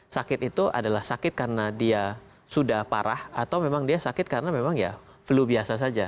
sakit itu adalah sakit karena dia sudah parah atau memang dia sakit karena memang ya flu biasa saja